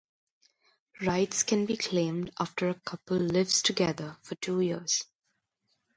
Rights can be claimed after a couple lives together for two years.